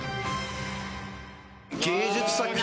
芸術作品。